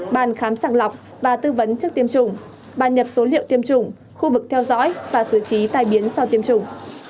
bàn khám sàng lọc và tư vấn trước tiêm chủng bàn nhập số liệu tiêm chủng khu vực theo dõi và xử trí tai biến sau tiêm chủng